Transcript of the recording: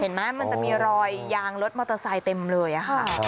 เห็นมั้ยมันจะมีรอยยางรถมอเตอร์ไซค์เต็มเลยอ่ะค่ะครับ